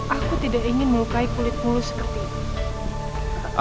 aku tidak ingin melukai kulit mulus seperti ini